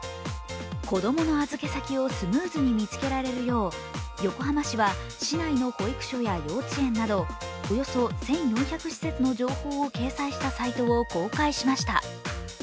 子供の預け先をスムーズに見つけられるよう横浜市は市内の保育所や幼稚園などおよそ１４００施設の情報を掲載したサイトを公開しました。